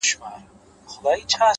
زه به څرنگه مخ اړوم يارانو”